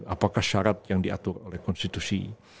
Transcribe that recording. apakah syarat yang diatur oleh konstitusi